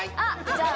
じゃあ